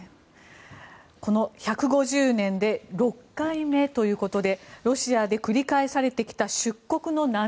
この１５０年で６回目ということでロシアで繰り返されてきた出国の波。